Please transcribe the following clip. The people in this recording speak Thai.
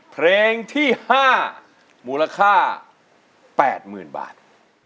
เพลงที่๕มูลค่า๘๐๐๐บาท